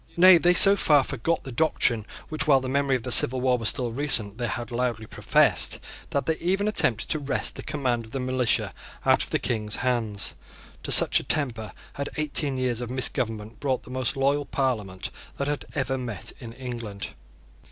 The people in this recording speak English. Nay, they so far forgot the doctrine which, while the memory of the civil war was still recent, they had loudly professed, that they even attempted to wrest the command of the militia out of the King's hands. To such a temper had eighteen years of misgovernment brought the most loyal Parliament that had ever met in England.